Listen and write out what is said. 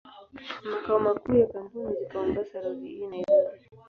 Makao makuu ya kampuni ziko Mombasa Road, jijini Nairobi.